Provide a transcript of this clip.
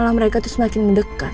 malah mereka itu semakin mendekat